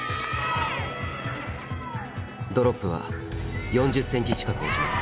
ドロップは４０センチ近く落ちます。